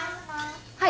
はい。